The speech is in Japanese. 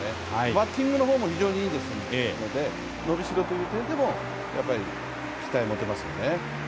バッティングの方も非常にいいですので、伸びしろという点でも期待を持てますね。